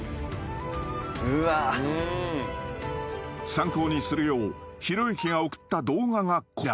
［参考にするようひろゆきが送った動画がこちら］